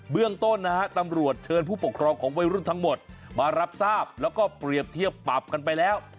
เรื่องต้นนะฮะตำรวจเชิญผู้ปกครองของวัยรุ่นทั้งหมดมารับทราบแล้วก็เปรียบเทียบปรับกันไปแล้ว